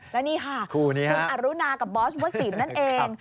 แล้วนี่ค่ะคุณอรุณากับบอสวสินนั่นเอง